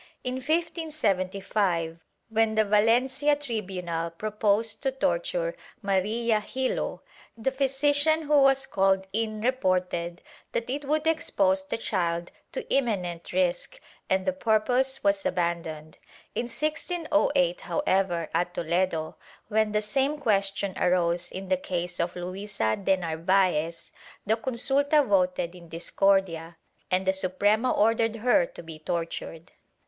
In 1575, when the Valencia tribu nal proposed to torture Maria Gilo, the physician who was called in reported that it would expose the child to imminent risk and the purpose was abandoned. In 1608, however, at Toledo, when the same question arose in the case of Luisa de Narvaez, the consulta voted in discordia and the Suprema ordered her to be tortured.